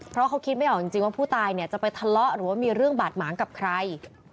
เพราะเขาคิดไม่ออกจริงว่าผู้ตายเนี่ยจะไปทะเลาะหรือว่ามีเรื่องบาดหมางกับใคร